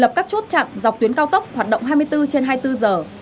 lập các chốt chặn dọc tuyến cao tốc hoạt động hai mươi bốn trên hai mươi bốn giờ